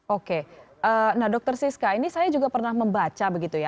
oke nah dr siska ini saya juga pernah membaca begitu ya